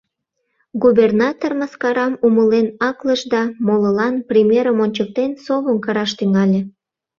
Губернатор мыскарам умылен аклыш да, молылан примерым ончыктен, совым кыраш тӱҥале.